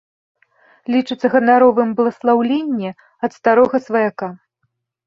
Лічыцца ганаровым бласлаўленне ад старога сваяка.